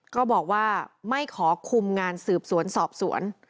ก็บอกว่าไม่ขอคุมงานสืบสวนสอบสวน